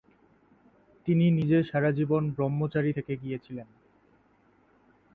তিনি নিজে সারাজীবন ব্রহ্মচারী থেকে গিয়েছিলেন।